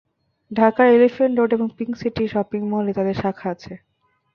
ঢাকার elephant road এবং pink city shopping মলে তাদের শাখা আছে।